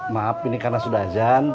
maaf ini karena sudah azan